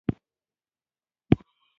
آیا هنګ په افغانستان کې کرل کیږي؟